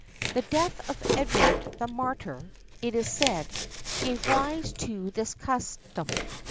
The death of Edward the Martyr, it is said, gave rise to this custom.